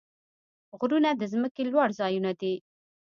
غرونه د ځمکې لوړ ځایونه دي.